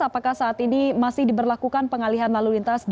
apakah saat ini masih diberlakukan pengalihan lalu lintas